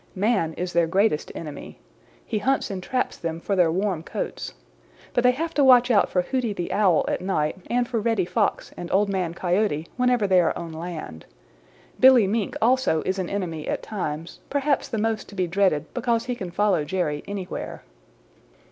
Man is their greatest enemy. He hunts and traps them for their warm coats. But they have to watch out for Hooty the Owl at night and for Reddy Fox and Old Man Coyote whenever they are on land. Billy Mink also is an enemy at times, perhaps the most to be dreaded because he can follow Jerry anywhere.